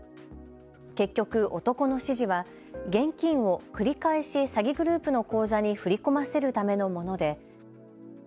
結局、男の指示は現金を繰り返し詐欺グループの口座に振り込ませるためのもので。